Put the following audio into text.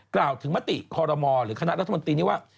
กล่าวถึงมติคอรมอหรือคณะรัฐมนตรีนี้ว่า